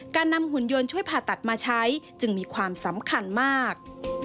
การนำหุ่นยนต์ช่วยผ่าตัดมาใช้จึงมีความสำคัญมาก